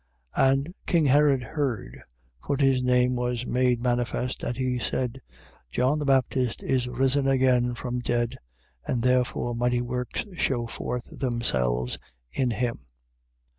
6:14. And king Herod heard, (for his name was made manifest,) and he said: John the Baptist is risen again from dead, and therefore mighty works shew forth themselves in him.